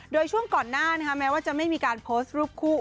โดยช่วงก่อนหน้าแม้ว่าจะไม่มีการโพสต์รูปคู่